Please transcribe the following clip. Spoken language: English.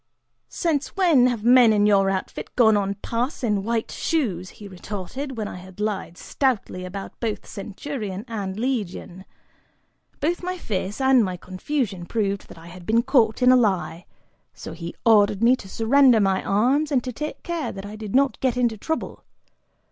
"Since when have men in your outfit gone on pass in white shoes?" he retorted, when I had lied stoutly about both centurion and legion. Both my face and my confusion proved that I had been caught in a lie, so he ordered me to surrender my arms and to take care that I did not get into trouble.